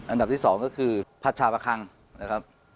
อันดับที่๒ก็คือพัชชาประคังนะครับ